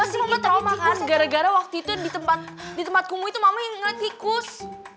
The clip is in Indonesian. pasti mama trauma kan gara gara waktu itu di tempat kumuh itu mama yang ngeliat tikus